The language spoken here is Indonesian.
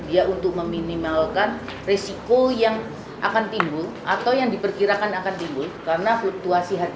dia untuk meminimalkan risiko yang akan timbul atau yang diperkirakan akan timbul karena fluktuasi hati